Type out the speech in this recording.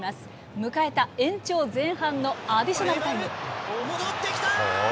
迎えた延長前半のアディショナルタイム。